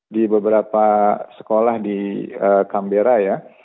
di beberapa sekolah di cambera ya